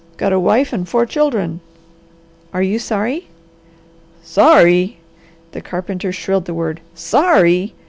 Got a wife and four children." "Are you sorry?" "Sorry!" the carpenter shrilled the word. "Sorry!